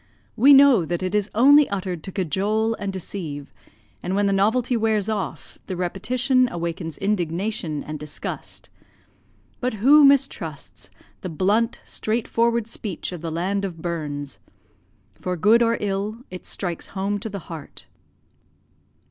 We know that it is only uttered to cajole and deceive, and when the novelty wears off, the repetition awakens indignation and disgust; but who mistrusts the blunt, straightforward speech of the land of Burns for good or ill, it strikes home to the heart.